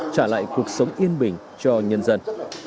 trả lại cuộc sống yên bình cho nhân dân